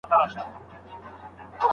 لوستې مور د ماشوم فزیکي فعالیت هڅوي.